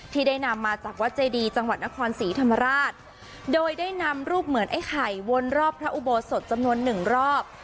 ที่ได้นำมาจากวัดเจดีจังหวัดนครศรีธรรมราชโดยได้นำรูปเหมือนไอ้ไข่วนรอบพระอุโบสถจำนวนหนึ่งรอบ